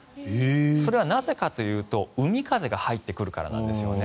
それはなぜかというと海風が入ってくるからなんですね。